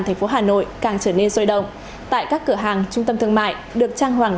thành phố hà nội càng trở nên sôi động tại các cửa hàng trung tâm thương mại được trang hoàng